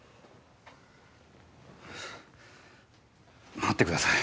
待ってください。